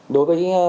đối với người